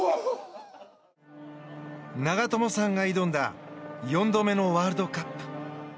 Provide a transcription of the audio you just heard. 長友さんが挑んだ４度目のワールドカップ。